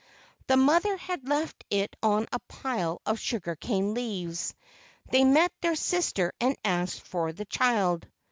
The mother had left it on a pile of sugar cane leaves. They met their sister and asked for the child.